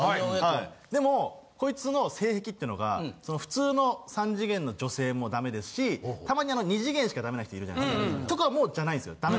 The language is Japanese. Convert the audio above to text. でもこいつの性癖っていうのが普通の３次元の女性もダメですしたまにあの２次元しかダメな人いるじゃないですか。とかもじゃないんすよ。